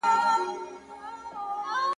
ډيره مننه مهربان شاعره.